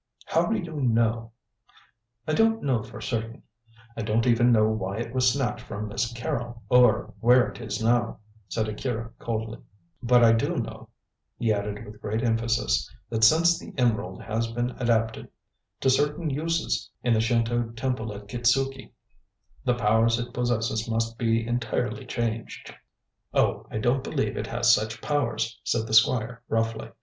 "How do you, know?" "I don't know for certain; I don't even know why it was snatched from Miss Carrol, or where it is now," said Akira coldly, "but I do know," he added with great emphasis, "that since the emerald has been adapted to certain uses in the Shinto Temple at Kitzuki, the powers it possesses must be entirely changed." "Oh, I don't believe it has such powers," said the Squire roughly.